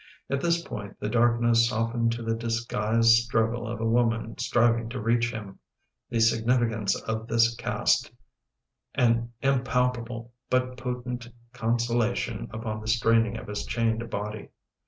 At this point the darkness softened to the disguised struggle of a woman striving to reach him. The significance of this cast an impalpable but potent consolation upon the strain ing of his chained body.